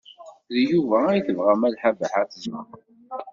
D Yuba ay tebɣa Malḥa Baḥa ad tẓer.